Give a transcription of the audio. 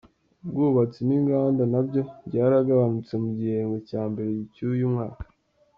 Ubwubatsi n’ inganda nabyo byaragabanutse mu gihembwe cya mbere cy’uyu mwaka.